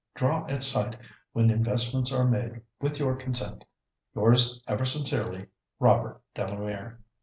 Draw at sight, when investments are made with your consent.—Yours ever sincerely, "ROBERT DELAMERE."